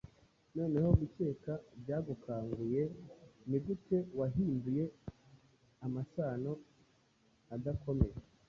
Noneho gukeka byagukanguye; Nigute wahinduye amasano adakomeye!